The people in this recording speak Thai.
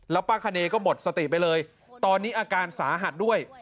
แล้วป้าคะเนยก็หมดสติไปเลยตอนนี้อาการสาหัสด้วย